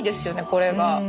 これが。